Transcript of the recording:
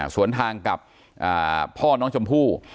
สวนทางกับพ่อน้องชมพู่